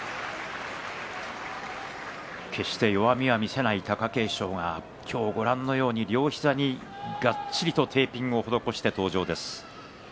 決して弱みは見せない貴景勝ですが今日は両膝にがっちりとテーピングを施しての土俵上です。